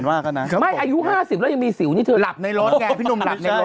โอ้นี่รอสุกไงพี่หนุ่ม